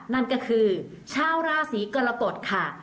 นั่นก็คือชาวราศีกรกฎค่ะ